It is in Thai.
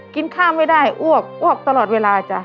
กินข้าวไม่ได้อ้วกอ้วกตลอดเวลาจ้ะ